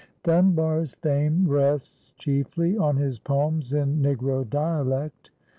Dunbar's fame rests chiefly on his poems in Negro dialect.